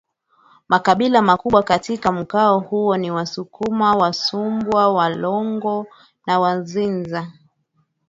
Makabila makubwa katika mkoa huu ni Wasukuma Wasumbwa Walongo na Wazinza